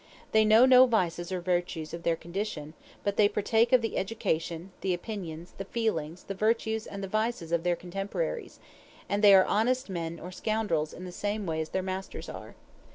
They know no vices or virtues of their condition, but they partake of the education, the opinions, the feelings, the virtues, and the vices of their contemporaries; and they are honest men or scoundrels in the same way as their masters are.